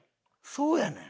そうやねん。